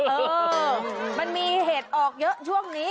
เออมันมีเหตุออกเยอะช่วงนี้